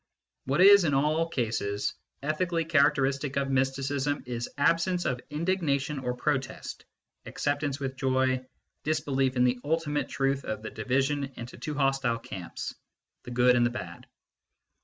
What is, in all cases, ethically characteristic of mysticism is absence of indignation or protest, acceptance with joy, disbelief in the ultimate truth of the division into two hostile camps, the good and the bad.